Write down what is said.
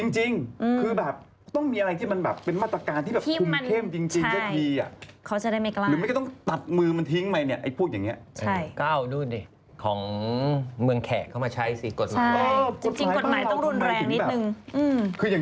จริงคือต้องมีอะไรที่เป็นมาตรการที่คุ้มเข้มจริง